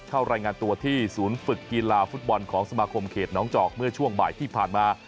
เข้ารายงานตัวที่ศูนย์ฝึกกีฬาฟุตบอลของสมาคมเขตน้องจอกเมื่อช่วงบ่ายที่ผ่านมา